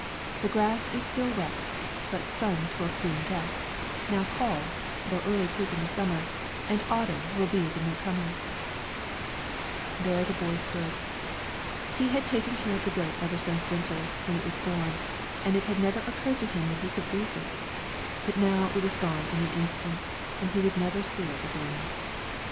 The grass is still wet, But sun 't will soon get; Now call, though early 't is in the summer, And autumn will be the new comer." [Footnote 1: Auber Forestier's translation.] There the boy stood. He had taken care of the goat ever since winter, when it was born, and it had never occurred to him that he could lose it; but now it was gone in an instant, and he would never see it again.